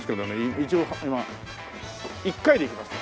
一応１回でいきましたからね。